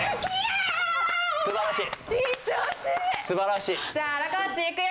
すばらしい。